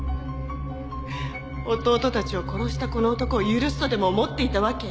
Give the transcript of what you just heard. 弟たちを殺したこの男を許すとでも思っていたわけ？